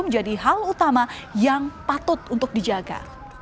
menjadi hal utama yang patut untuk dijaga